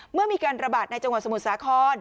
เมื่อมีการระบาดในจังหวัดสมุทรสาคร